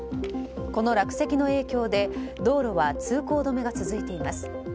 この落石の影響で道路は通行止めが続いています。